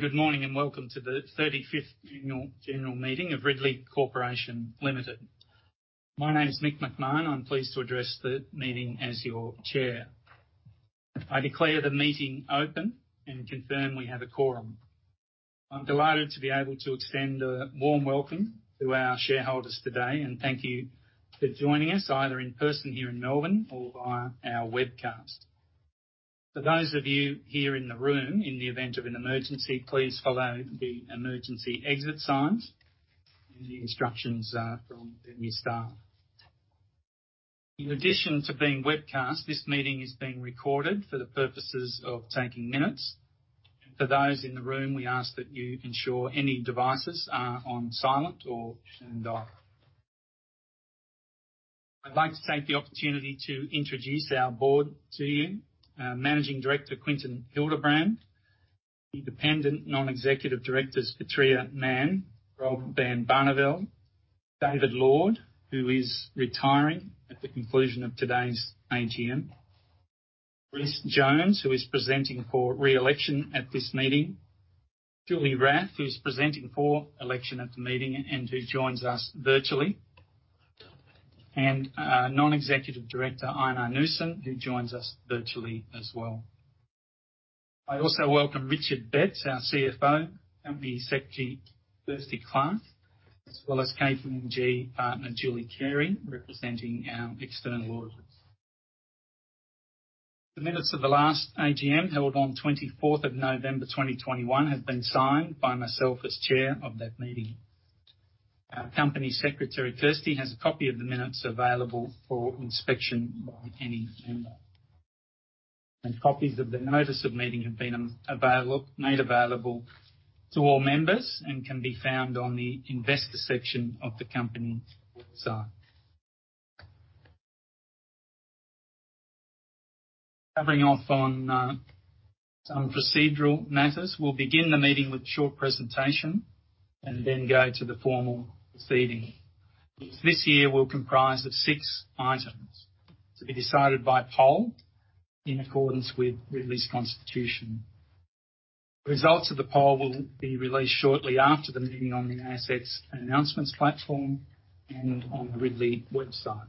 Good morning and welcome to the 35th annual general meeting of Ridley Corporation Limited. My name is Mick McMahon. I'm pleased to address the meeting as your Chair. I declare the meeting open and confirm we have a quorum. I'm delighted to be able to extend a warm welcome to our shareholders today, and thank you for joining us either in person here in Melbourne or via our webcast. For those of you here in the room, in the event of an emergency, please follow the emergency exit signs and the instructions from the new staff. In addition to being webcast, this meeting is being recorded for the purposes of taking minutes. For those in the room, we ask that you ensure any devices are on silent or switched off. I'd like to take the opportunity to introduce our Board to you. Our Managing Director, Quinton Hildebrand. Independent non-executive directors, Patria Mann, Robert van Barneveld, David Lord, who is retiring at the conclusion of today's AGM. Rhys Jones, who is presenting for re-election at this meeting. Julie Raffe, who's presenting for election at the meeting and who joins us virtually. Non-executive director, Ejnar Knudsen, who joins us virtually as well. I also welcome Richard Betts, our CFO, Company Secretary, Kirsty Clarke, as well as KPMG partner, Julie Carey, representing our external auditors. The minutes of the last AGM, held on 24th of November, 2021 have been signed by myself as chair of that meeting. Our Company Secretary, Kirsty, has a copy of the minutes available for inspection by any member. Copies of the notice of meeting have been made available to all members and can be found on the investor section of the company site. Covering off on some procedural matters, we'll begin the meeting with a short presentation and then go to the formal proceeding. This year will comprise of six items to be decided by poll in accordance with Ridley's Constitution. Results of the poll will be released shortly after the meeting on the ASX announcements platform and on the Ridley website.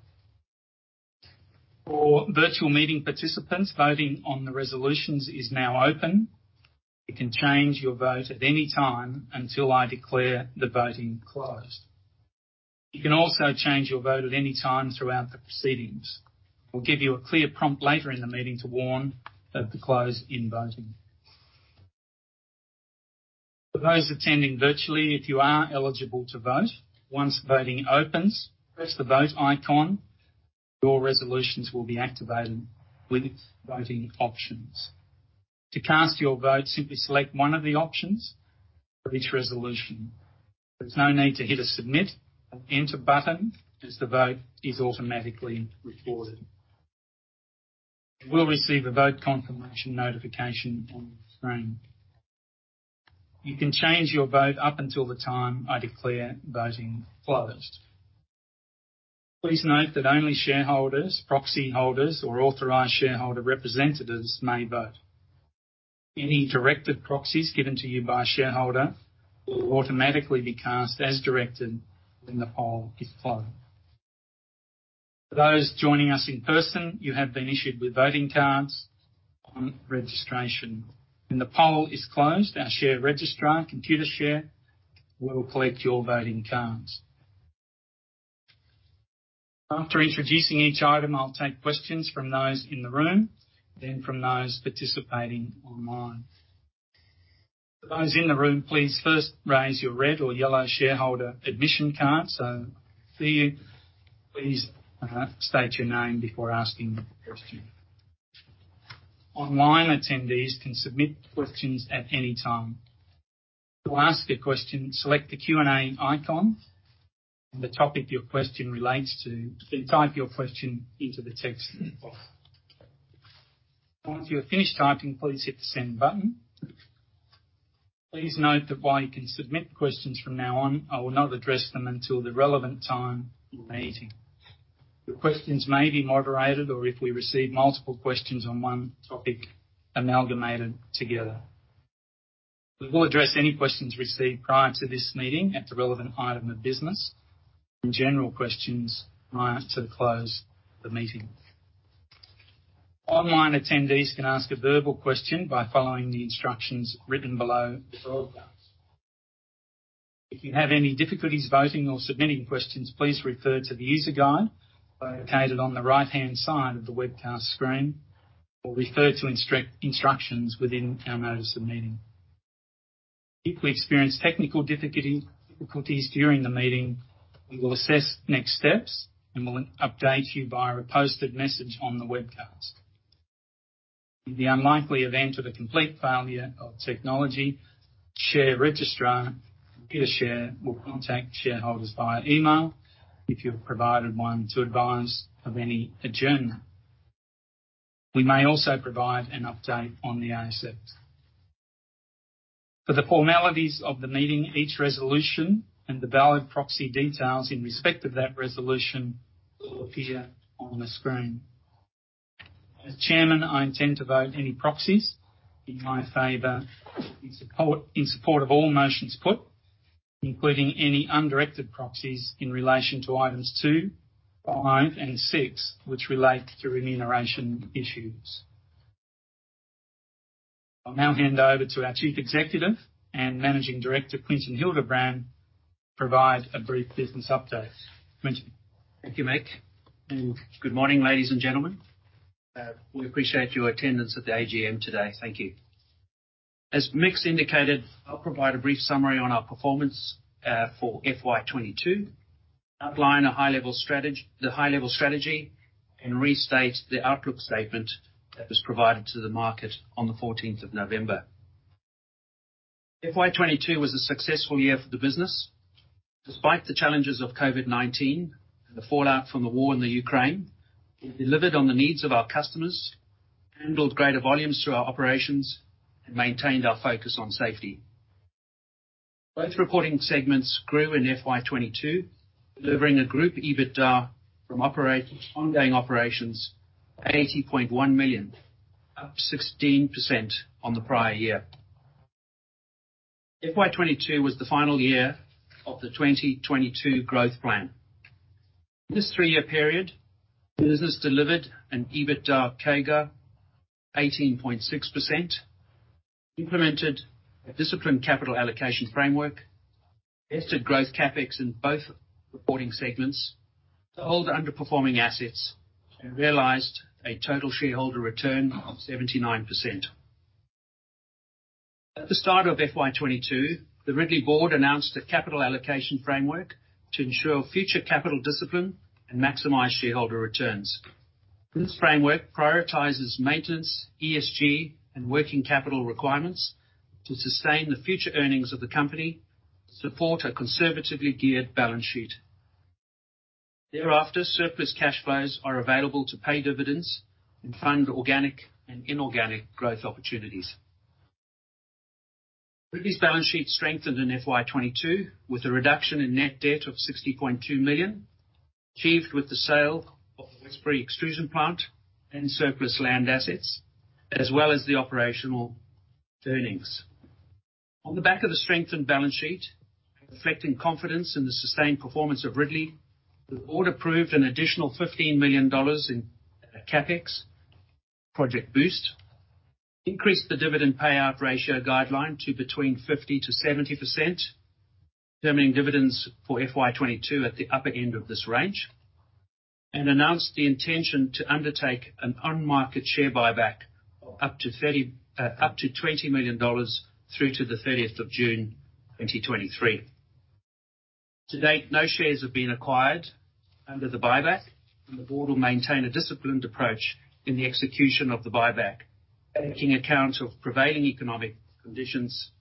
For virtual meeting participants, voting on the resolutions is now open. You can change your vote at any time until I declare the voting closed. You can also change your vote at any time throughout the proceedings. We'll give you a clear prompt later in the meeting to warn of the close in voting. For those attending virtually, if you are eligible to vote, once voting opens, press the Vote icon. Your resolutions will be activated with voting options. To cast your vote, simply select one of the options for each resolution. There's no need to hit a Submit or Enter button as the vote is automatically recorded. You will receive a vote confirmation notification on your screen. You can change your vote up until the time I declare voting closed. Please note that only shareholders, proxy holders or authorized shareholder representatives may vote. Any directed proxies given to you by a shareholder will automatically be cast as directed when the poll is closed. For those joining us in person, you have been issued with voting cards on registration. When the poll is closed, our share registrar, Computershare, will collect your voting cards. After introducing each item, I'll take questions from those in the room, then from those participating online. For those in the room, please first raise your red or yellow shareholder admission card so I can see you. Please state your name before asking a question. Online attendees can submit questions at any time. To ask a question, select the Q&A icon and the topic your question relates to, type your question into the text box. Once you have finished typing, please hit the Send button. Please note that while you can submit questions from now on, I will not address them until the relevant time in the meeting. The questions may be moderated or if we receive multiple questions on one topic amalgamated together. We will address any questions received prior to this meeting at the relevant item of business and general questions prior to the close of the meeting. Online attendees can ask a verbal question by following the instructions written below your broadcast. If you have any difficulties voting or submitting questions, please refer to the user guide located on the right-hand side of the webcast screen or refer to instructions within our notice of meeting. If we experience technical difficulties during the meeting, we will assess next steps and will update you via a posted message on the webcast. In the unlikely event of a complete failure of technology, share registrar, Computershare, will contact shareholders via email if you have provided one to advise of any adjournment. We may also provide an update on the ASX. For the formalities of the meeting, each resolution and the valid proxy details in respect of that resolution will appear on the screen. As Chairman, I intend to vote any proxies in my favor in support of all motions put, including any undirected proxies in relation to items two, five, and six, which relate to remuneration issues. I'll now hand over to our Chief Executive and Managing Director, Quinton Hildebrand, provide a brief business update. Quinton. Thank you, Mick. Good morning, ladies and gentlemen. We appreciate your attendance at the AGM today. Thank you. As Mick's indicated, I'll provide a brief summary on our performance for FY 2022, outline the high-level strategy, and restate the outlook statement that was provided to the market on the 14th of November. FY 2022 was a successful year for the business. Despite the challenges of COVID-19 and the fallout from the war in Ukraine, we delivered on the needs of our customers, handled greater volumes through our operations, and maintained our focus on safety. Both reporting segments grew in FY 2022, delivering a group EBITDA from ongoing operations, 80.1 million, up 16% on the prior year. FY 2022 was the final year of the 2022 growth plan. In this three-year period, the business delivered an EBITDA CAGR of 18.6%, implemented a disciplined capital allocation framework, invested growth CapEx in both reporting segments to older underperforming assets, and realized a total shareholder return of 79%. At the start of FY 2022, the Ridley board announced a capital allocation framework to ensure future capital discipline and maximize shareholder returns. This framework prioritizes maintenance, ESG, and working capital requirements to sustain the future earnings of the company, support a conservatively geared balance sheet. Thereafter, surplus cash flows are available to pay dividends and fund organic and inorganic growth opportunities. Ridley's balance sheet strengthened in FY 2022, with a reduction in net debt of $60.2 million, achieved with the sale of the Westbury Extrusion plant and surplus land assets, as well as the operational earnings. On the back of the strengthened balance sheet, reflecting confidence in the sustained performance of Ridley, the board approved an additional $15 million in CapEx, Project Boost, increased the dividend payout ratio guideline to between 50%-70%, determining dividends for FY 2022 at the upper end of this range, and announced the intention to undertake an on-market share buyback of up to $20 million through to the 30th of June, 2023. To date, no shares have been acquired under the buyback, and the board will maintain a disciplined approach in the execution of the buyback, taking account of prevailing economic conditions,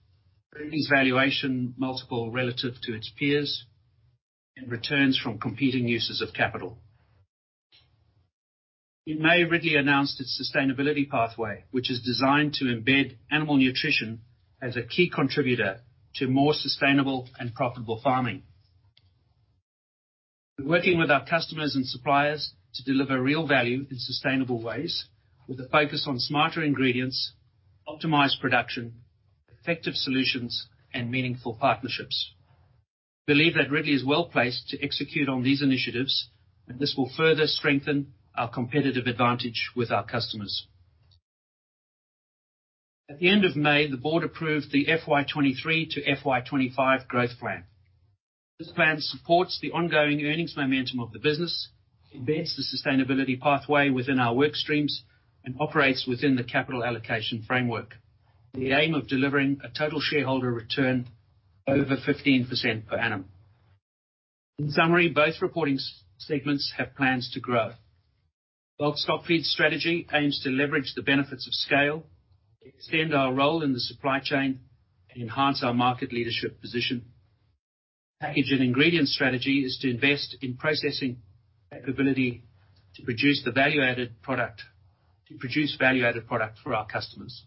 Ridley's valuation multiple relative to its peers, and returns from competing uses of capital. In May, Ridley announced its sustainability pathway, which is designed to embed animal nutrition as a key contributor to more sustainable and profitable farming. We're working with our customers and suppliers to deliver real value in sustainable ways with a focus on smarter ingredients, optimized production, effective solutions, and meaningful partnerships. We believe that Ridley is well-placed to execute on these initiatives, this will further strengthen our competitive advantage with our customers. At the end of May, the board approved the FY 2023 to FY 2025 growth plan. This plan supports the ongoing earnings momentum of the business, embeds the sustainability pathway within our work streams, operates within the capital allocation framework. The aim of delivering a total shareholder return over 15% per annum. In summary, both reporting segments have plans to grow. Bulk stockfeed strategy aims to leverage the benefits of scale, extend our role in the supply chain, enhance our market leadership position. Package and ingredient strategy is to invest in processing capability to produce value-added product for our customers.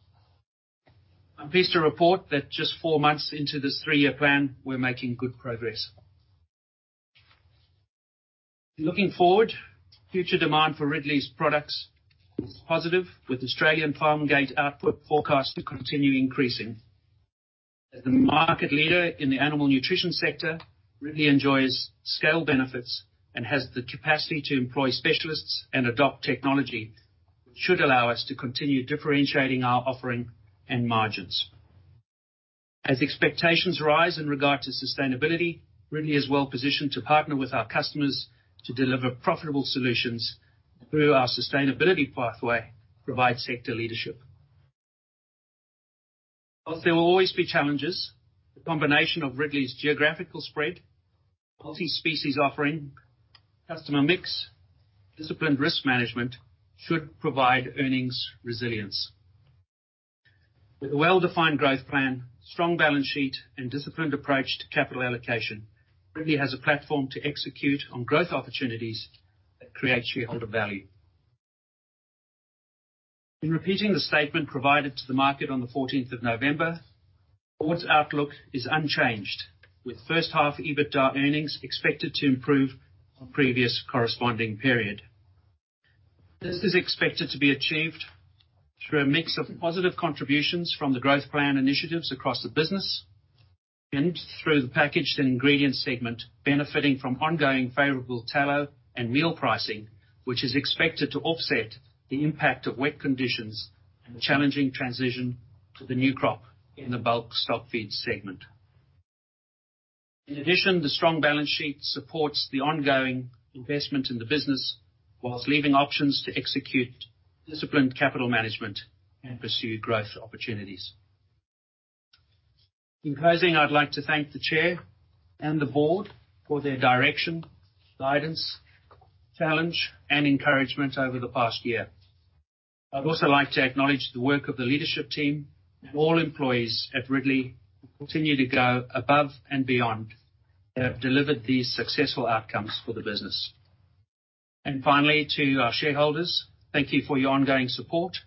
I'm pleased to report that just four months into this three-year plan, we're making good progress. Looking forward, future demand for Ridley's products is positive, with Australian farm gate output forecast to continue increasing. As the market leader in the animal nutrition sector, Ridley enjoys scale benefits and has the capacity to employ specialists and adopt technology, which should allow us to continue differentiating our offering and margins. As expectations rise in regard to sustainability, Ridley is well-positioned to partner with our customers to deliver profitable solutions through our sustainability pathway, provide sector leadership. While there will always be challenges, the combination of Ridley's geographical spread, multi-species offering, customer mix, disciplined risk management should provide earnings resilience. With a well-defined growth plan, strong balance sheet, and disciplined approach to capital allocation, Ridley has a platform to execute on growth opportunities that create shareholder value. In repeating the statement provided to the market on the 14th of November-Forward outlook is unchanged, with first half EBITDA earnings expected to improve on previous corresponding period. This is expected to be achieved through a mix of positive contributions from the growth plan initiatives across the business and through the packaged and ingredient segment, benefiting from ongoing favorable tallow and meal pricing, which is expected to offset the impact of wet conditions and challenging transition to the new crop in the bulk stock feed segment. In addition, the strong balance sheet supports the ongoing investment in the business whilst leaving options to execute disciplined capital management and pursue growth opportunities. In closing, I'd like to thank the Chair and the Board for their direction, guidance, challenge, and encouragement over the past year. I'd also like to acknowledge the work of the leadership team and all employees at Ridley, who continue to go above and beyond and have delivered these successful outcomes for the business. Finally, to our shareholders, thank you for your ongoing support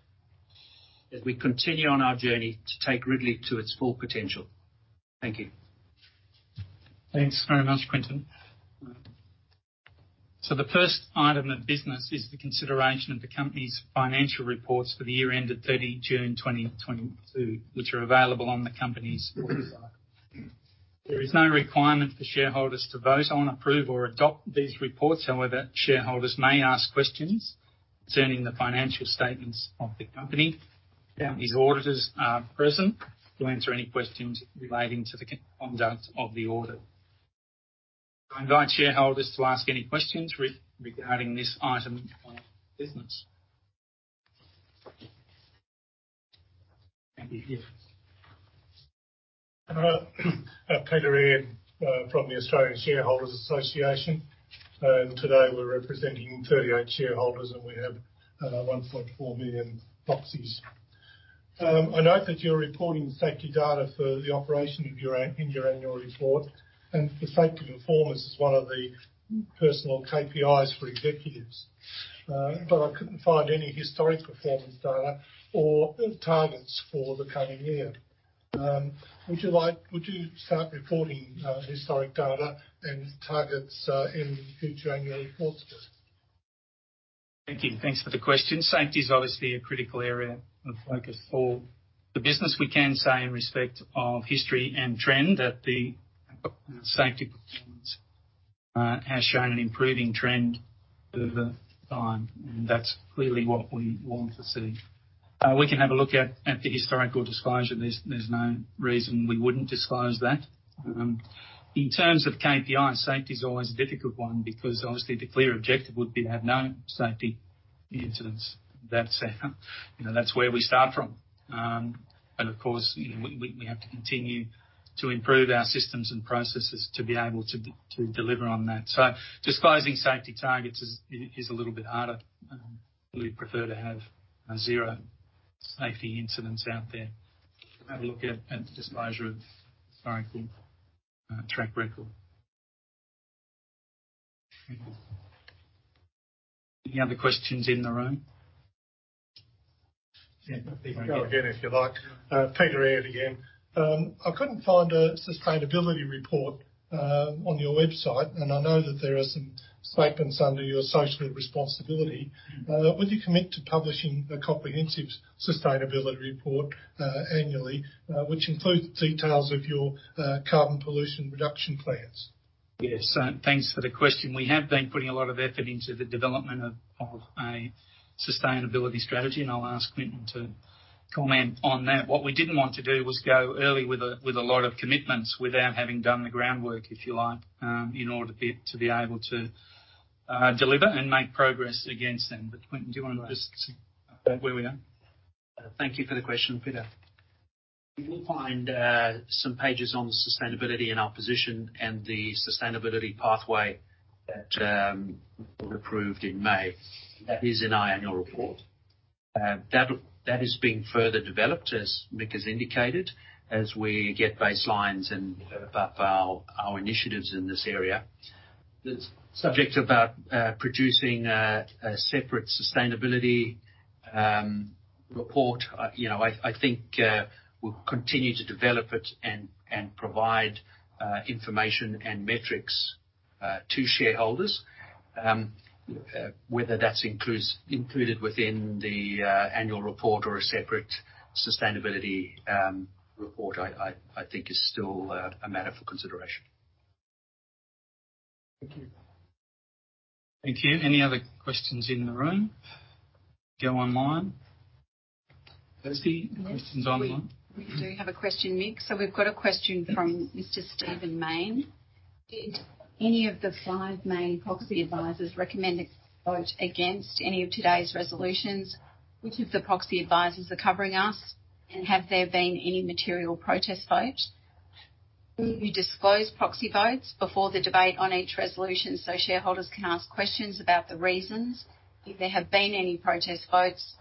as we continue on our journey to take Ridley to its full potential. Thank you. Thanks very much, Quinton. The first item of business is the consideration of the company's financial reports for the year ended 30 June 2022, which are available on the company's website. There is no requirement for shareholders to vote on, approve, or adopt these reports. However, shareholders may ask questions concerning the financial statements of the company. The company's auditors are present to answer any questions relating to the conduct of the audit. I invite shareholders to ask any questions regarding this item of business. Thank you, yes. Peter Aird from the Australian Shareholders' Association. Today we're representing 38 shareholders, and we have 1.4 million proxies. I note that you're reporting safety data for the operation of your in your annual report, and for safety performance is one of the personal KPIs for executives. I couldn't find any historic performance data or targets for the coming year. Would you start reporting historic data and targets in future annual reports, please? Thank you. Thanks for the question. Safety is obviously a critical area of focus for the business. We can say in respect of history and trend that the safety performance has shown an improving trend over time, and that's clearly what we want to see. We can have a look at the historical disclosure. There's no reason we wouldn't disclose that. In terms of KPI, safety is always a difficult one because obviously the clear objective would be to have no safety incidents. That's, you know, that's where we start from. Of course, you know, we have to continue to improve our systems and processes to be able to deliver on that. Disclosing safety targets is a little bit harder. Really prefer to have 0 safety incidents out there. Have a look at the disclosure of historical track record. Any other questions in the room? Yeah. Go again if you like. Peter Aird again. I couldn't find a sustainability report on your website, and I know that there are some statements under your social responsibility. Would you commit to publishing a comprehensive sustainability report annually, which includes details of your carbon pollution reduction plans? Yes. Thanks for the question. We have been putting a lot of effort into the development of a sustainability strategy, I'll ask Quinton to comment on that. What we didn't want to do was go early with a lot of commitments without having done the groundwork, if you like, in order to be able to deliver and make progress against them. Quinton, do you wanna just say where we are? Thank you for the question, Peter. You will find some pages on sustainability and our position and the sustainability pathway that was approved in May. That is in our annual report. That is being further developed, as Mick has indicated, as we get baselines and build up our initiatives in this area. The subject about producing a separate sustainability report, I, you know, I think we'll continue to develop it and provide information and metrics to shareholders. Whether that's included within the annual report or a separate sustainability report, I think is still a matter for consideration. Thank you. Thank you. Any other questions in the room? Go online. Kirsty, questions online? We do have a question, Mick. We've got a question from Mr. Stephen Mayne. Did any of the five main proxy advisors recommend a vote against any of today's resolutions? Which of the proxy advisors are covering us? Have there been any material protest votes? Will you disclose proxy votes before the debate on each resolution so shareholders can ask questions about the reasons if there have been any protest votes?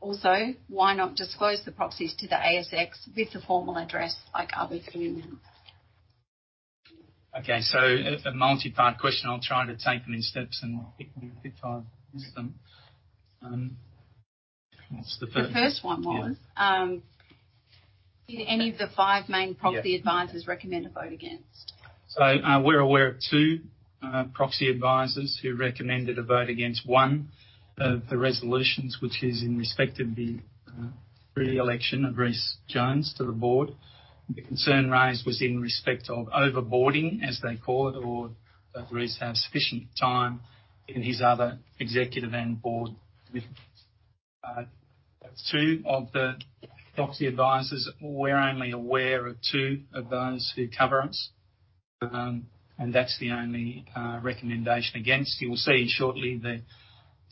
Also, why not disclose the proxies to the ASX with the formal address like others are doing now? Okay, a multi-part question. I'll try to take them in steps and pick apart each of them. The first one was. Yeah. Did any of the five main proxy advisors recommend a vote against? We're aware of two proxy advisors who recommended a vote against one of the resolutions, which is in respect of the reelection of Rhys Jones to the board. The concern raised was in respect of over-boarding, as they call it, or does Rhys have sufficient time in his other executive and board with. That's two of the proxy advisors. We're only aware of two of those who cover us, and that's the only recommendation against. You will see shortly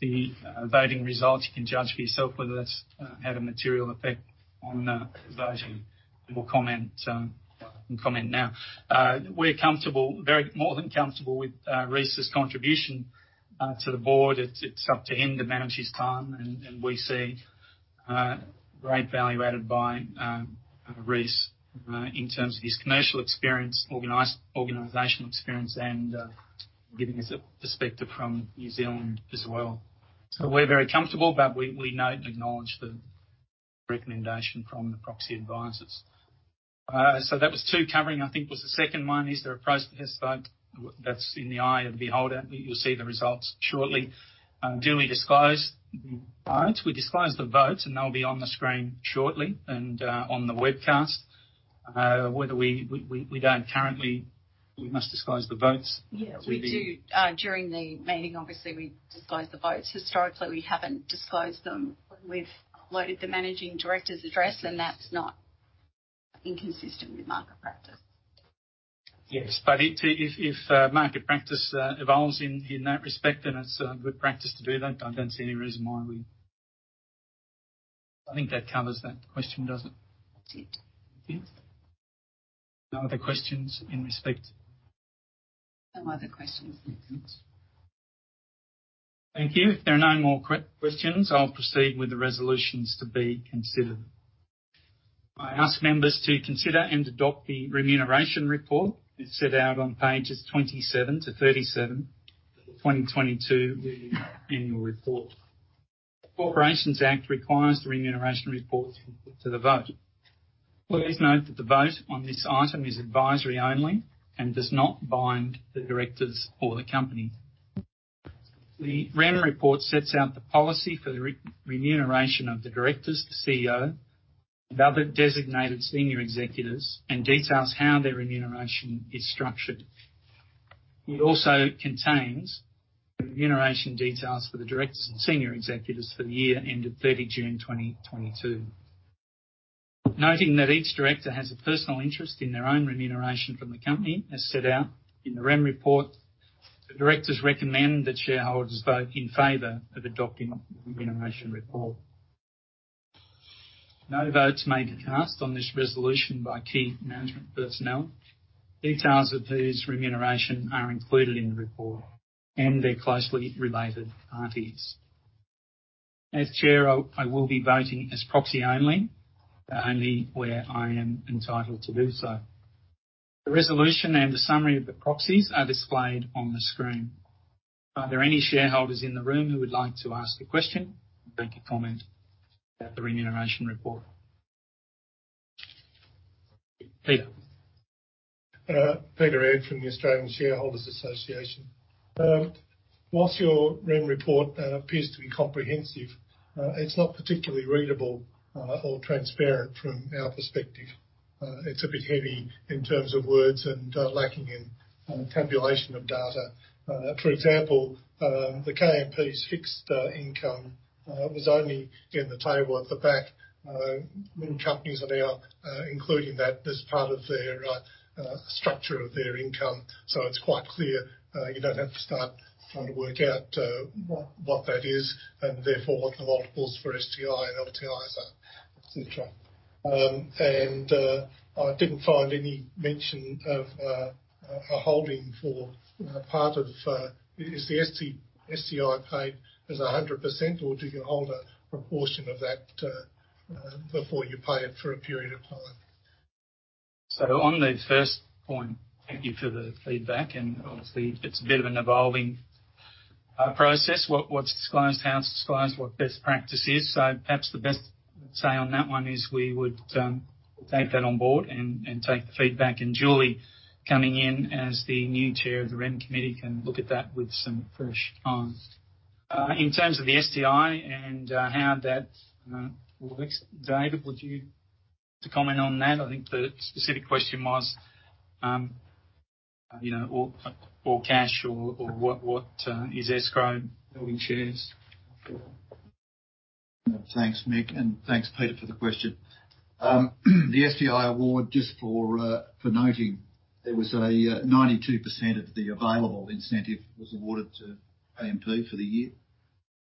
the voting results. You can judge for yourself whether that's had a material effect on the voting. We'll comment now. We're comfortable, very more than comfortable with Rhys's contribution to the board. It's up to him to manage his time, and we see great value added by Rhys in terms of his commercial experience, organizational experience and giving us a perspective from New Zealand as well. We're very comfortable, but we note and acknowledge the recommendation from the proxy advisors. That was two covering, I think was the second one, is there a pro to his vote? That's in the eye of the beholder. You'll see the results shortly. Do we disclose the votes? We disclose the votes, and they'll be on the screen shortly and on the webcast. We must disclose the votes. Yeah. To the- We do during the meeting, obviously we disclose the votes. Historically, we haven't disclosed them. We've loaded the managing director's address, and that's not inconsistent with market practice. Yes. If market practice evolves in that respect, then it's a good practice to do that. I don't see any reason why. I think that covers that question, does it? That's it. Okay. No other questions in respect? No other questions, thanks. Thank you. If there are no more questions, I'll proceed with the resolutions to be considered. I ask members to consider and adopt the remuneration report. It's set out on pages 27 to 37 of the 2022 year annual report. The Corporations Act requires the remuneration report to be put to the vote. Please note that the vote on this item is advisory only and does not bind the directors or the company. The REM report sets out the policy for the remuneration of the directors, the CEO and other designated senior executives, and details how their remuneration is structured. It also contains the remuneration details for the directors and senior executives for the year ended June 30, 2022. Noting that each director has a personal interest in their own remuneration from the company, as set out in the REM report, the directors recommend that shareholders vote in favor of adopting the remuneration report. No vote's made or cast on this resolution by key management personnel. Details of these remuneration are included in the report and their closely related parties. Chair, I will be voting as proxy only where I am entitled to do so. The resolution and the summary of the proxies are displayed on the screen. Are there any shareholders in the room who would like to ask a question or make a comment about the remuneration report? Peter. Peter Aird from the Australian Shareholders' Association. Whilst your REM report appears to be comprehensive, it's not particularly readable or transparent from our perspective. It's a bit heavy in terms of words and lacking in tabulation of data. For example, the KMPs fixed income was only in the table at the back. Many companies are now including that as part of their structure of their income. It's quite clear. You don't have to start trying to work out what that is and therefore what the multiples for STI and LTI are, et cetera. I didn't find any mention of a holding for part of, is the STI paid as 100% or do you hold a proportion of that before you pay it for a period of time? On the first point, thank you for the feedback, and obviously it's a bit of an evolving process, what's disclosed, how it's disclosed, what best practice is. Perhaps the best say on that one is we would take that on board and take the feedback. Julie coming in as the new chair of the REM committee can look at that with some fresh eyes. In terms of the STI and how that works, Dave, would you comment on that? I think the specific question was, you know, or cash or what is escrowed holding shares. Thanks, Mick, and thanks, Peter, for the question. The STI award, just for noting, there was a 92% of the available incentive was awarded to AMP for the year,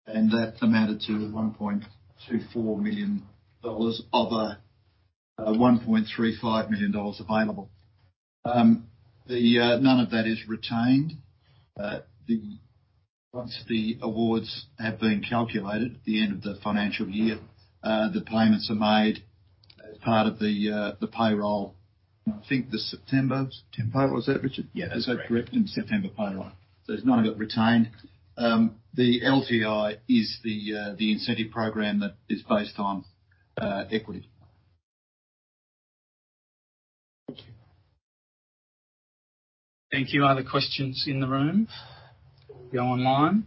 and that amounted to $1.34 million of a $1.35 million available. None of that is retained. Once the awards have been calculated at the end of the financial year, the payments are made as part of the payroll. I think September. September? Was that, Richard? Yeah, that's correct. Is that correct? In September payroll. It's none of it retained. The LTI is the incentive program that is based on equity. Thank you. Thank you. Are there questions in the room? We go online.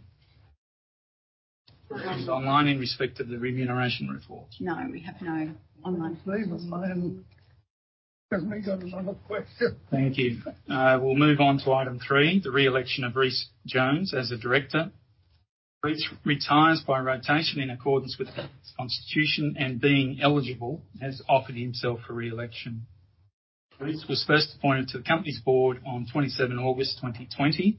Online in respect of the remuneration report. No, we have no online questions. Leave alone because we got another question. Thank you. We'll move on to item three, the re-election of Rhys Jones as a director. Rhys retires by rotation in accordance with the Constitution, and being eligible, has offered himself for re-election. Rhys was first appointed to the company's board on August 27, 2020.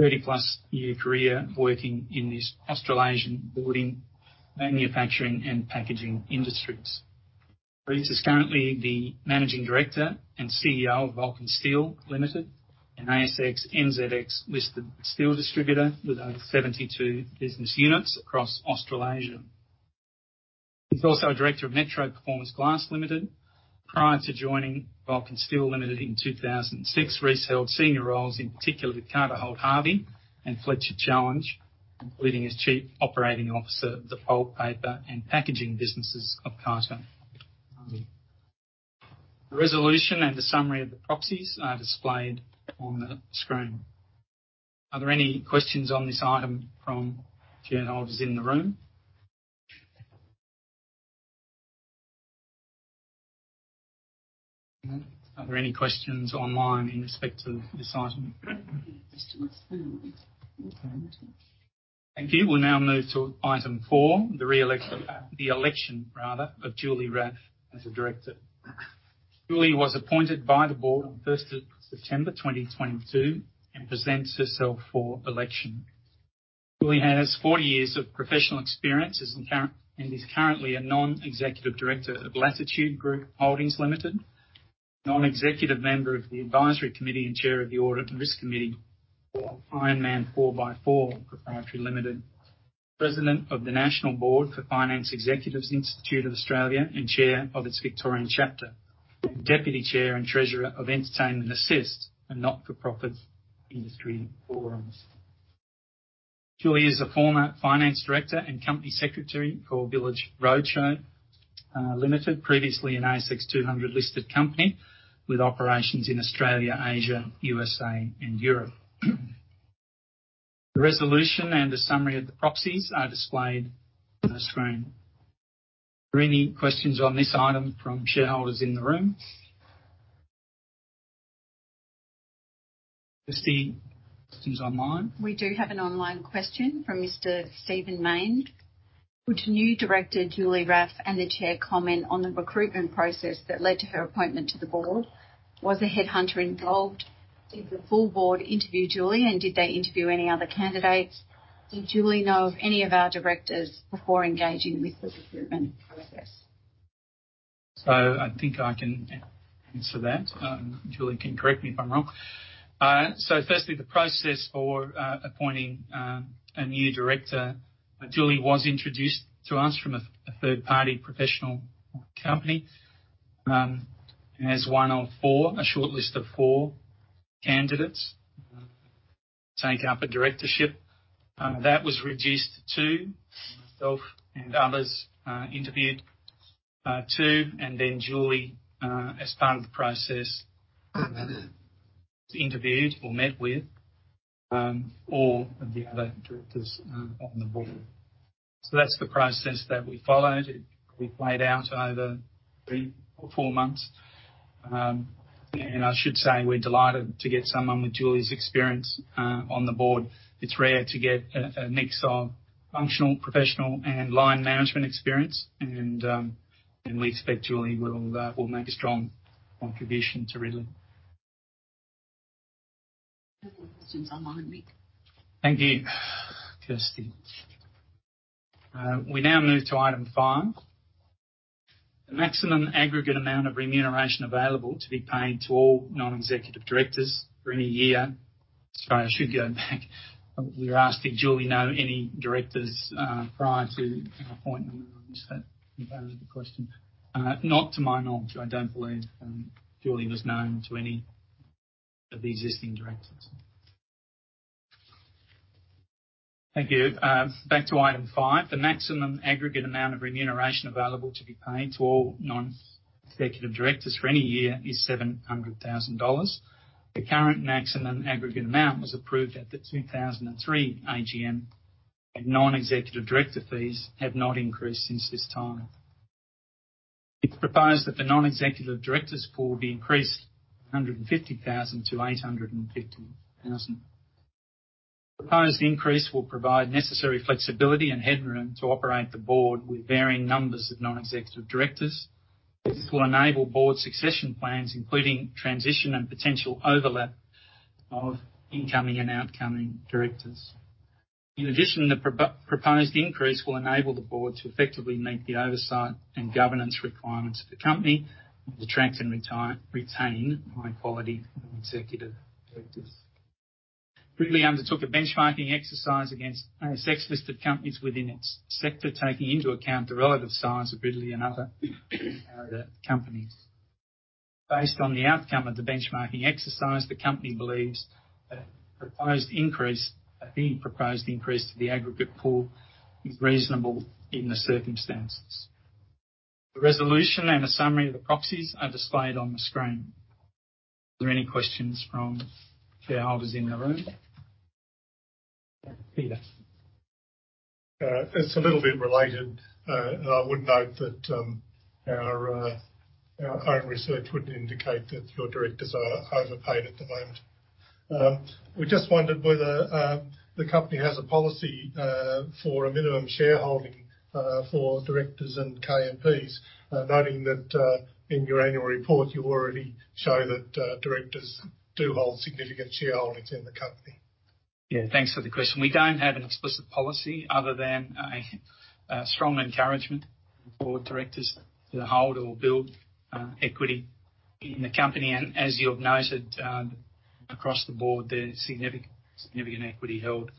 30+ year career working in this Australasian building, manufacturing, and packaging industries. Rhys is currently the managing director and CEO of Vulcan Steel Limited, an ASX, NZX-listed steel distributor with over 72 business units across Australasia. He's also a director of Metro Performance Glass Limited. Prior to joining Vulcan Steel Limited in 2006, Rhys held senior roles, in particular with Carter Holt Harvey and Fletcher Challenge, including as chief operating officer of the pulp, paper, and packaging businesses of Carter Holt Harvey. The resolution and the summary of the proxies are displayed on the screen. Are there any questions on this item from shareholders in the room? Are there any questions online in respect of this item? No questions online. Okay. Thank you. We'll now move to item four, the re-election, the election rather, of Julie Raffe as a director. Julie was appointed by the board on September 1st, 2022 and presents herself for election. Julie has 40 years of professional experience and is currently a non-executive director of Latitude Group Holdings Limited, non-executive member of the Advisory Committee and Chair of the Audit and Risk Committee for Ironman 4x4 Property Ltd. President of the National Board for Financial Executives Institute of Australia and Chair of its Victorian chapter, and Deputy Chair and Treasurer of Entertainment Assist, a not-for-profit industry forums. Julie is a former Finance Director and Company Secretary for Village Roadshow Limited, previously an ASX 200 listed company with operations in Australia, Asia, USA, and Europe. The resolution and a summary of the proxies are displayed on the screen. Are there any questions on this item from shareholders in the room? Kirsty, questions online. We do have an online question from Mr. Stephen Mayne. Would new director Julie Raffe and the chair comment on the recruitment process that led to her appointment to the board? Was a headhunter involved? Did the full board interview Julie, and did they interview any other candidates? Did Julie know of any of our directors before engaging with the recruitment process? I think I can answer that. Julie can correct me if I'm wrong. Firstly, the process for appointing a new director. Julie was introduced to us from a third-party professional company as one of four, a shortlist of four candidates to take up a directorship. That was reduced to two. Myself and others interviewed two, and then Julie, as part of the process, interviewed or met with all of the other directors on the board. That's the process that we followed. It played out over three or four months. And I should say we're delighted to get someone with Julie's experience on the board. It's rare to get a mix of functional, professional, and line management experience. We expect Julie will make a strong contribution to Ridley. Questions online, Mick. Thank you, Kirsty. We now move to item five. The maximum aggregate amount of remuneration available to be paid to all non-executive directors for any year. Sorry, I should go back. We were asked, did Julie know any directors prior to her appointment? I missed that part of the question. Not to my knowledge. I don't believe Julie was known to any of the existing directors. Thank you. Back to item five. The maximum aggregate amount of remuneration available to be paid to all non-executive directors for any year is $700,000. The current maximum aggregate amount was approved at the 2003 AGM, and non-executive director fees have not increased since this time. It's proposed that the non-executive directors pool be increased from 150,000 to 850,000. Proposed increase will provide necessary flexibility and headroom to operate the board with varying numbers of non-executive directors. This will enable board succession plans, including transition and potential overlap of incoming and outcoming directors. In addition, the proposed increase will enable the board to effectively meet the oversight and governance requirements of the company, attract and retain high quality non-executive directors. Ridley undertook a benchmarking exercise against ASX listed companies within its sector, taking into account the relative size of Ridley and other companies. Based on the outcome of the benchmarking exercise, the company believes a proposed increase to the aggregate pool is reasonable in the circumstances. The resolution and a summary of the proxies are displayed on the screen. Are there any questions from shareholders in the room? Peter. It's a little bit related. I would note that our own research would indicate that your directors are overpaid at the moment. We just wondered whether the company has a policy for a minimum shareholding for directors and KMPs. Noting that in your annual report, you already show that directors do hold significant shareholdings in the company. Yeah. Thanks for the question. We don't have an explicit policy other than a strong encouragement for directors to hold or build equity in the company. As you've noted, across the board, there's significant equity held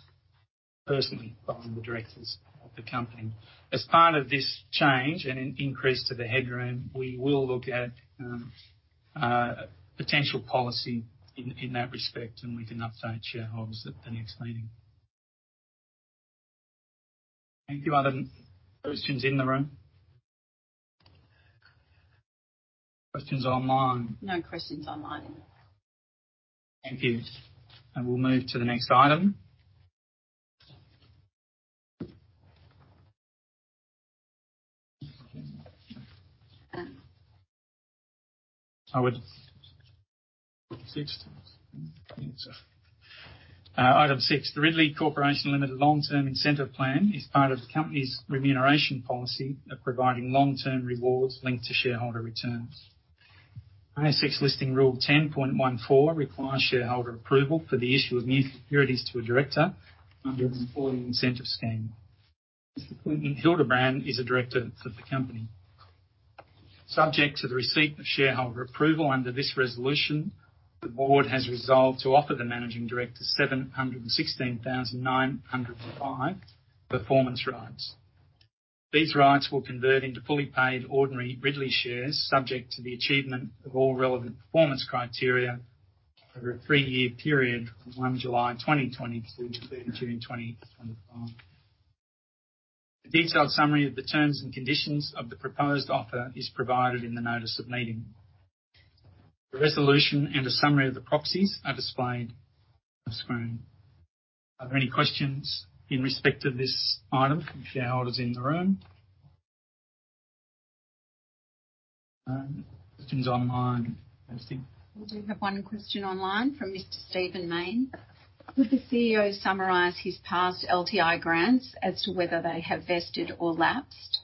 personally by the directors of the company. As part of this change and an increase to the headroom, we will look at potential policy in that respect, and we can update shareholders at the next meeting. Thank you. Are there questions in the room? Questions online? No questions online. Thank you. We'll move to the next item. Item six. The Ridley Corporation Limited Long-Term Incentive Plan is part of the company's remuneration policy of providing long-term rewards linked to shareholder returns. ASX Listing Rule 10.14 requires shareholder approval for the issue of new securities to a director under an employee incentive scheme. Mr. Quinton Hildebrand is a director for the company. Subject to the receipt of shareholder approval under this resolution, the board has resolved to offer the managing director 716,905 performance rights. These rights will convert into fully paid ordinary Ridley shares, subject to the achievement of all relevant performance criteria over a three-year period from July 1, 2022 to June 3, 2024. The detailed summary of the terms and conditions of the proposed offer is provided in the notice of meeting. The resolution and a summary of the proxies are displayed on screen. Are there any questions in respect of this item from shareholders in the room? Questions online, Kirsty? We do have one question online from Mr. Stephen Mayne. "Could the CEO summarize his past LTI grants as to whether they have vested or lapsed?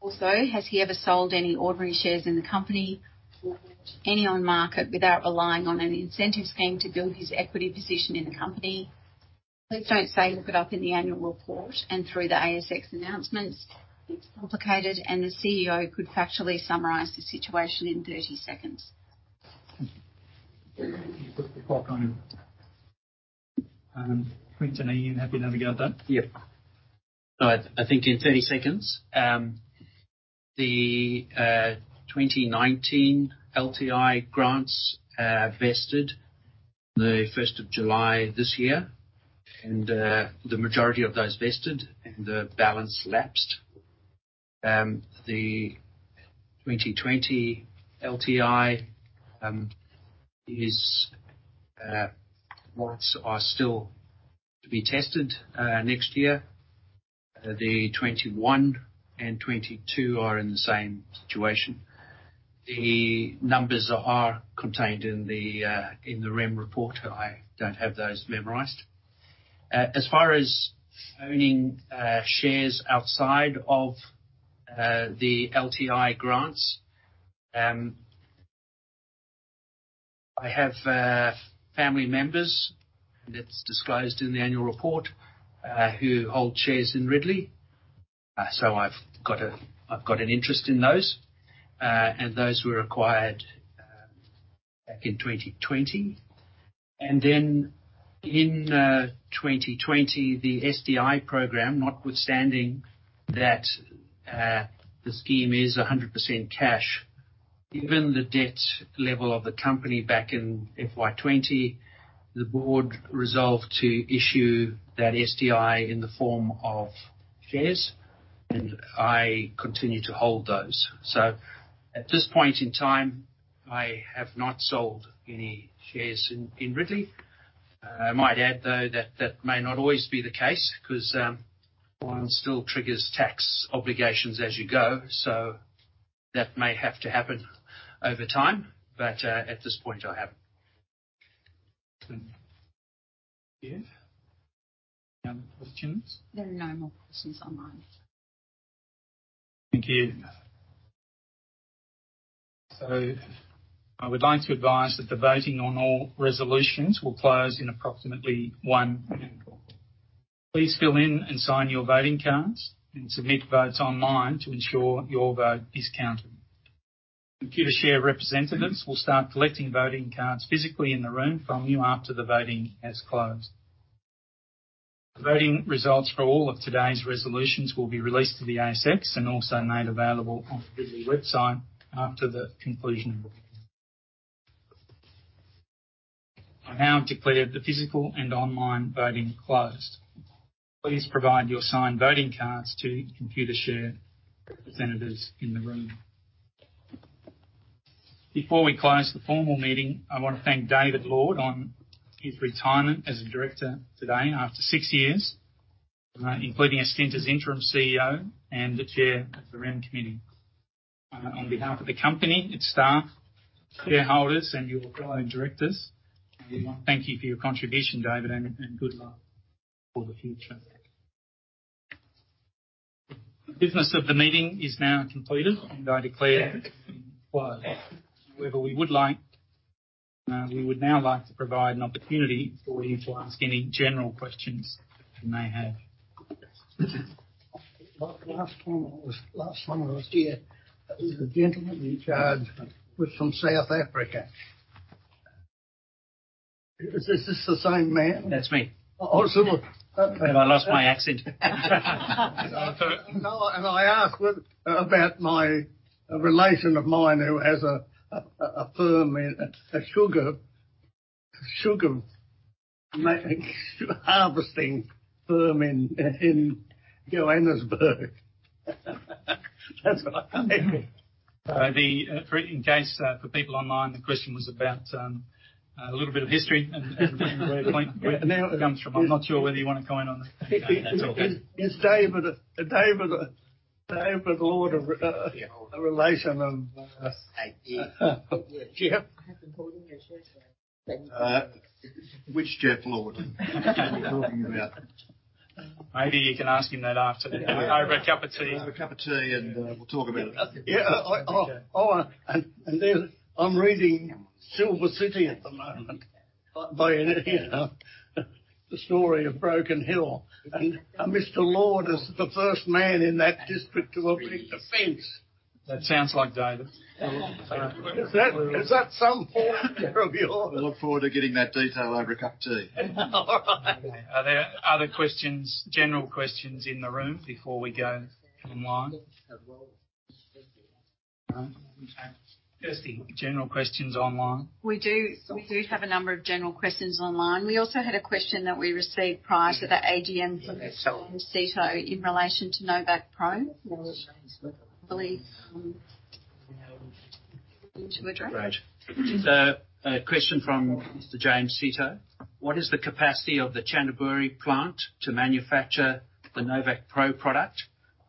Also, has he ever sold any ordinary shares in the company or any on market without relying on an incentive scheme to build his equity position in the company? Please don't say, "Look it up in the annual report and through the ASX announcements." It's complicated, and the CEO could factually summarize the situation in 30 seconds. Can you put the clock on him? Quinton, are you happy to navigate that? Yep. I think in 30 seconds, the 2019 LTI grants vested July 1st this year. The majority of those vested and the balance lapsed. The 2020 LTI rights are still to be tested next year. The 2021 and 2022 are in the same situation. The numbers are contained in the REM report. I don't have those memorized. As far as owning shares outside of the LTI grants, I have family members, and it's disclosed in the annual report, who hold shares in Ridley. I've got an interest in those. Those were acquired back in 2020. In 2020, the STI program, notwithstanding that the scheme is 100% cash. Given the debt level of the company back in FY 2020, the board resolved to issue that STI in the form of shares, and I continue to hold those. At this point in time, I have not sold any shares in Ridley. I might add, though, that that may not always be the case because one still triggers tax obligations as you go, so that may have to happen over time. At this point I haven't. Thank you. Any other questions? There are no more questions online. Thank you. I would like to advise that the voting on all resolutions will close in approximately one minute. Please fill in and sign your voting cards and submit votes online to ensure your vote is counted. Computershare representatives will start collecting voting cards physically in the room from you after the voting has closed. The voting results for all of today's resolutions will be released to the ASX and also made available on the Ridley website after the conclusion. I now declare the physical and online voting closed. Please provide your signed voting cards to Computershare representatives in the room. Before we close the formal meeting, I want to thank David Lord on his retirement as a director today, after six years, including a stint as interim CEO and the chair of the REM committee. On behalf of the company, its staff, shareholders and your fellow directors, we want to thank you for your contribution, David, and good luck for the future. The business of the meeting is now completed, and I declare it closed. However, we would now like to provide an opportunity for you to ask any general questions you may have. Last time I was here, there was a gentleman in charge who was from South Africa. Is this the same man? That's me. Awesome. Have I lost my accent? No. I asked what, about my, a relation of mine who has a firm in sugar harvesting firm in Johannesburg. That's what I said. The, in case, for people online, the question was about, a little bit of history and where it comes from. I'm not sure whether you want to comment on that. Is David Lord a relation of Jeff? Which Jeff Lord are you talking about? Maybe you can ask him that after over a cup of tea. Over a cup of tea, we'll talk about it. Yeah. Oh I'm reading Silver City at the moment by an author. The story of Broken Hill and Mr. Lord is the first man in that district to erect a fence. That sounds like David. Is that some form of yours? I look forward to getting that detail over a cup of tea. All right. Are there other questions, general questions in the room before we go online? Okay. Kirsty, general questions online. We do have a number of general questions online. We also had a question that we received prior to the AGM from Mr. James Seto in relation to NovaqPro, which I believe we need to address. Right. A question from Mr. James Seto. What is the capacity of the Chanthaburi plant to manufacture the NovaqPro product?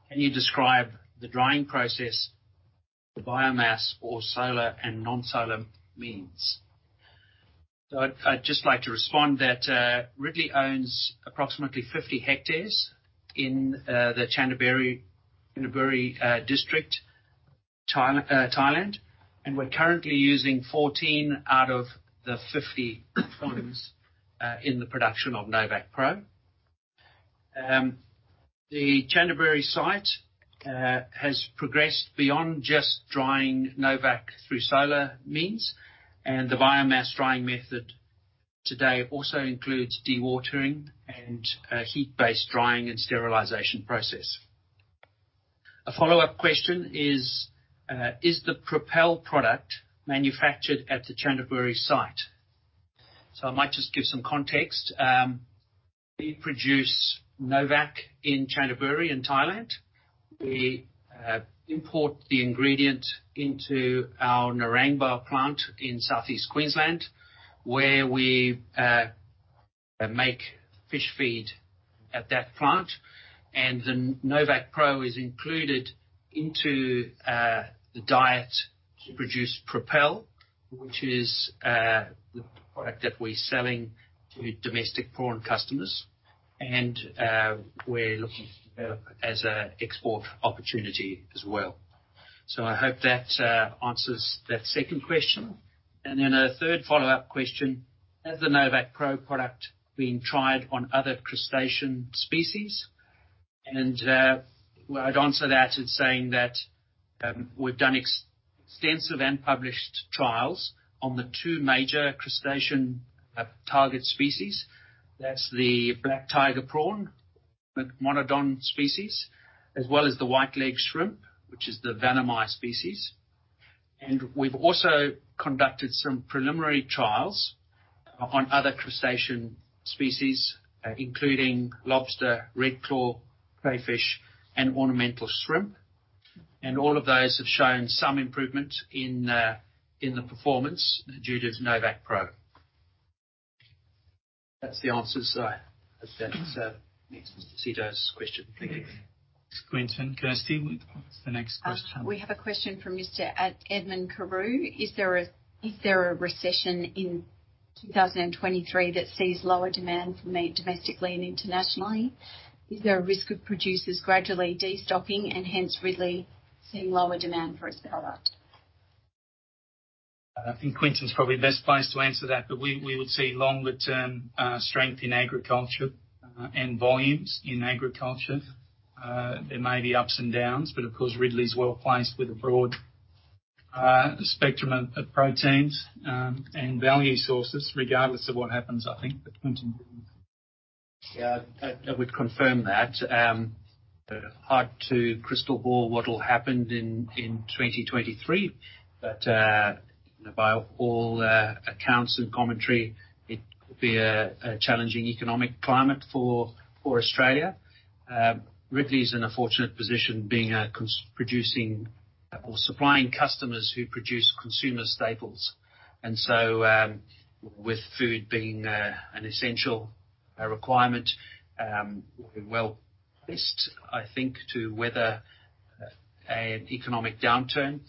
Can you describe the drying process, the biomass or solar and non-solar means? I'd just like to respond that, Ridley owns approximately 50 hectares in the Chanthaburi, district, Thailand, and we're currently using 14 out of the 50 farms in the production of NovaqPro. The Chanthaburi site has progressed beyond just drying Novacq through solar means, and the biomass drying method today also includes dewatering and a heat-based drying and sterilization process. A follow-up question is the Propel product manufactured at the Chanthaburi site? I might just give some context. We produce Novacq in Chanthaburi in Thailand. We import the ingredient into our Narangba plant in Southeast Queensland, where we make fish feed at that plant. The NovaqPro is included into the diet to produce Propel, which is the product that we're selling to domestic prawn customers. We're looking to develop as an export opportunity as well. I hope that answers that second question. A third follow-up question. Has the NovaqPro product been tried on other crustacean species? Well, I'd answer that in saying that we've done extensive and published trials on the two major crustacean target species. That's the black tiger prawn, monodon species, as well as the whiteleg shrimp, which is the vannamei species. We've also conducted some preliminary trials on other crustacean species, including lobster, red claw, crayfish, and ornamental shrimp. All of those have shown some improvement in the performance due to NovaqPro. That's the answers to Mr. Seto's question. Thank you. Thanks, Quinton. Kirsty, what's the next question? We have a question from Mr. Edmund Carew. Is there a recession in 2023 that sees lower demand for meat domestically and internationally? Is there a risk of producers gradually destocking and hence Ridley seeing lower demand for its product? I think Quinton is probably the best place to answer that. We would see longer-term strength in agriculture and volumes in agriculture. There may be ups and downs, but of course, Ridley is well-placed with a broad spectrum of proteins and value sources, regardless of what happens. I would confirm that. Hard to crystal ball what will happen in 2023, you know, by all accounts and commentary, it will be a challenging economic climate for Australia. Ridley is in a fortunate position being producing or supplying customers who produce consumer staples. With food being an essential requirement, we're well-placed, I think, to weather an economic downturn.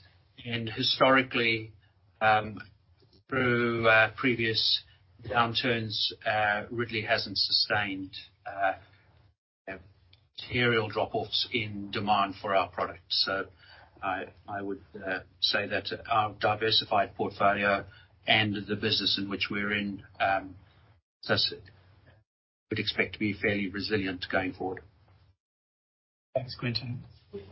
Historically, through previous downturns, Ridley hasn't sustained material drop-offs in demand for our products. I would say that our diversified portfolio and the business in which we're in, would expect to be fairly resilient going forward. Thanks, Quinton. We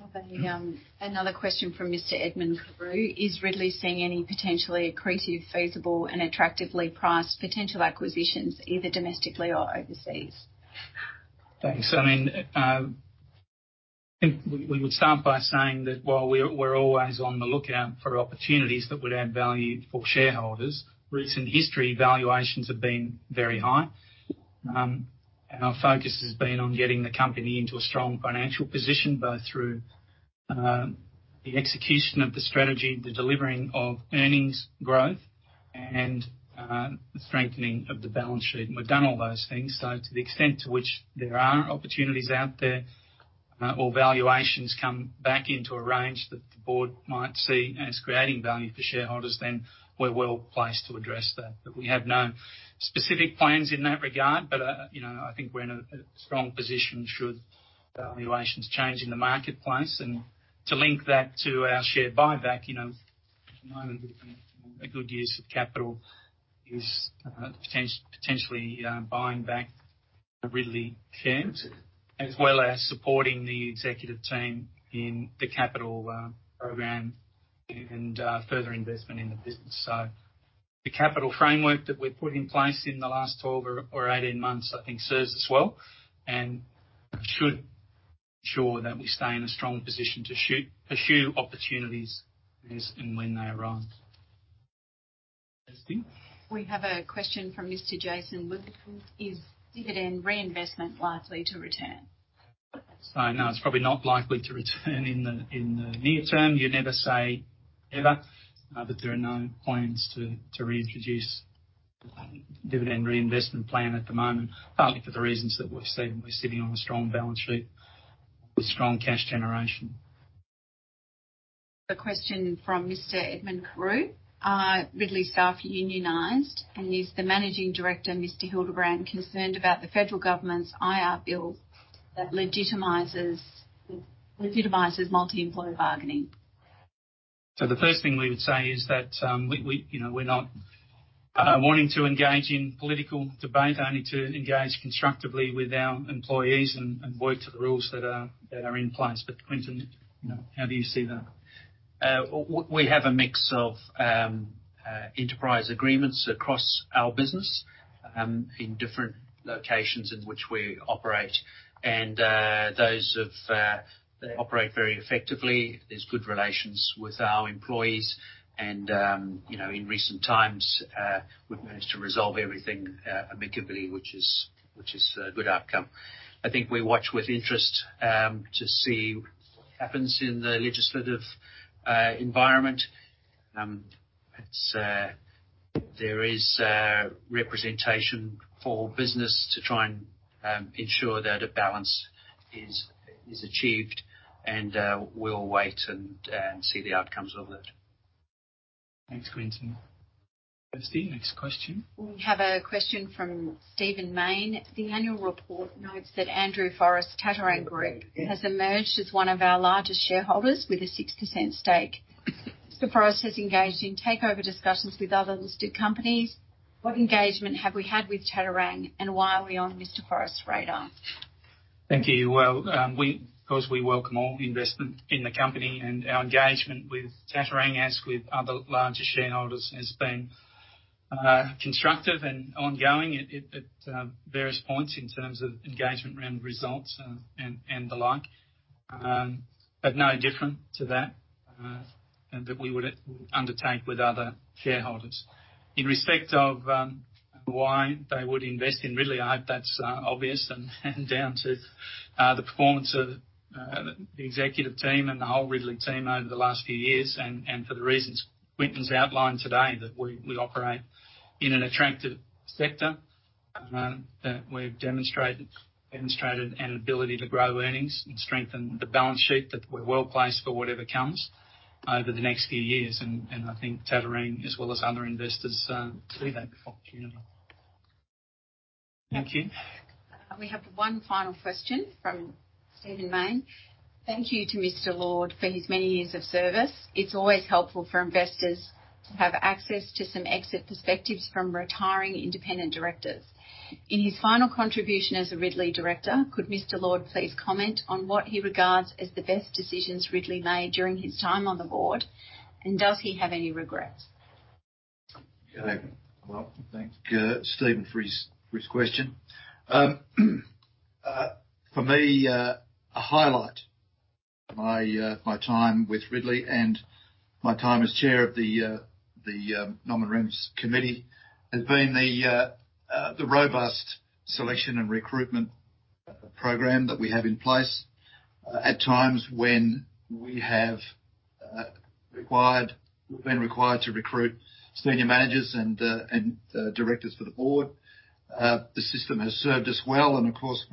have a another question from Mr. Edmund Carew. "Is Ridley seeing any potentially accretive, feasible and attractively priced potential acquisitions, either domestically or overseas? Thanks. I mean, I think we would start by saying that while we're always on the lookout for opportunities that would add value for shareholders, recent history valuations have been very high. Our focus has been on getting the company into a strong financial position, both through the execution of the strategy, the delivering of earnings growth and the strengthening of the balance sheet. We've done all those things. To the extent to which there are opportunities out there, or valuations come back into a range that the board might see as creating value for shareholders, then we're well placed to address that. We have no specific plans in that regard. you know, I think we're in a strong position should valuations change in the marketplace. To link that to our share buyback, you know, at the moment a good use of capital is potentially buying back Ridley shares, as well as supporting the executive team in the capital program and further investment in the business. The capital framework that we've put in place in the last 12 or 18 months I think serves us well and should ensure that we stay in a strong position to pursue opportunities as and when they arise. We have a question from Mr. Jason Witherspoon. "Is dividend reinvestment likely to return? No, it's probably not likely to return in the near term. You never say ever, but there are no plans to reintroduce dividend reinvestment plan at the moment, partly for the reasons that we've stated. We're sitting on a strong balance sheet with strong cash generation. A question from Mr. Edmund Carew. "Are Ridley staff unionized? Is the Managing Director, Mr. Hildebrand, concerned about the federal government's IR bill that legitimizes multi-employer bargaining? The first thing we would say is that, we, you know, we're not wanting to engage in political debate, only to engage constructively with our employees and work to the rules that are in place. Quinton, you know, how do you see that? We have a mix of enterprise agreements across our business in different locations in which we operate. Those have operate very effectively. There's good relations with our employees. You know, in recent times, we've managed to resolve everything amicably, which is, which is a good outcome. I think we watch with interest to see what happens in the legislative environment. It's there is representation for business to try and ensure that a balance is achieved and we'll wait and see the outcomes of it. Thanks, Quinton. Kirsty, next question. We have a question from Stephen Mayne. "The annual report notes that Andrew Forrest's Tattarang Group has emerged as one of our largest shareholders with a 6% stake. Mr. Forrest has engaged in takeover discussions with other listed companies. What engagement have we had with Tattarang, and why are we on Mr. Forrest's radar? Thank you. Well, we, of course, we welcome all investment in the company, and our engagement with Tattarang, as with other larger shareholders, has been constructive and ongoing at various points in terms of engagement around results and the like. No different to that we would undertake with other shareholders. In respect of, why they would invest in Ridley, I hope that's obvious and down to the performance of the executive team and the whole Ridley team over the last few years. For the reasons Quinton's outlined today, that we operate in an attractive sector, that we've demonstrated an ability to grow earnings and strengthen the balance sheet, that we're well placed for whatever comes over the next few years. I think Tattarang, as well as other investors, see that opportunity. Thank you. We have one final question from Stephen Mayne. "Thank you to Mr. Lord for his many years of service. It's always helpful for investors to have access to some exit perspectives from retiring independent directors. In his final contribution as a Ridley director, could Mr. Lord please comment on what he regards as the best decisions Ridley made during his time on the board, and does he have any regrets? Good day. Well, thanks, Stephen, for his question. For me, a highlight of my time with Ridley and my time as Chair of the Nominations Committee has been the robust selection and recruitment program that we have in place. At times when we have required, we've been required to recruit senior managers and directors for the board, the system has served us well. Of course,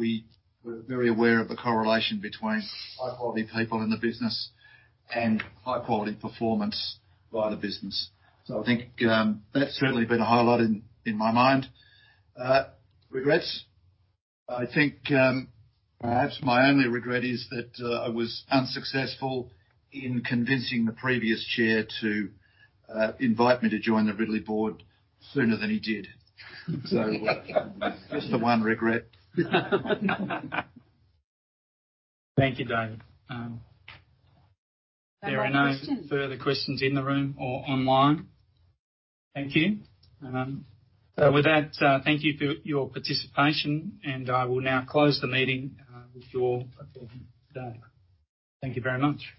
we're very aware of the correlation between high-quality people in the business and high-quality performance by the business. I think that's certainly been a highlight in my mind. Regrets? I think perhaps my only regret is that I was unsuccessful in convincing the previous chair to invite me to join the Ridley Board sooner than he did. Just the one regret. Thank you, David. There are no further questions in the room or online. Thank you. With that, thank you for your participation, and I will now close the meeting with your authority today. Thank you very much.